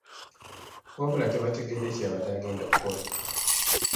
Wabula tebategedde kye yabadde agenda kukola.